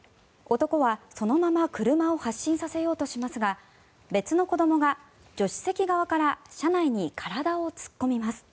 男はそのまま車を発進させようとしますが別の子どもが助手席側から車内に体を突っ込みます。